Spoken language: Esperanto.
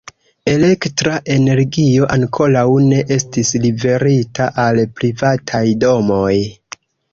Elektra energio ankoraŭ ne estis liverita al privataj domoj.